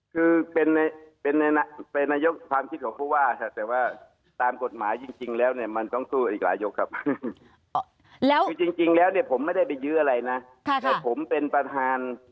คือเป็นนายกความคิดของผู้ว่าแต่ว่าตามกฎหมายจริงแล้วมันต้องสู้กับอีกหลายยกครับ